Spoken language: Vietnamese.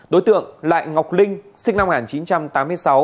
đối tượng lại ngọc linh sinh năm một nghìn chín trăm tám mươi sáu